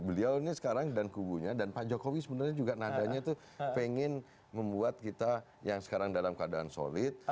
beliau ini sekarang dan kubunya dan pak jokowi sebenarnya juga nadanya itu pengen membuat kita yang sekarang dalam keadaan solid